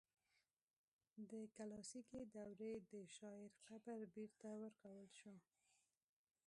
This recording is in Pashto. د کلاسیکي دورې د شاعر قبر بیرته ورغول شو.